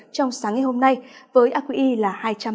trong sáng ngày hôm nay với aqi là hai trăm ba mươi chín